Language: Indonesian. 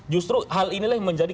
justru hal inilah yang menjadi